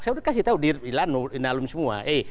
saya sudah kasih tahu di ilan di nalumi semua